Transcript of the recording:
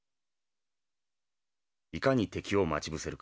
いかに敵を待ち伏せるか。